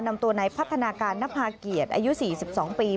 นำตัวในพัฒนาการนภาเกียรติอายุ๔๒ปี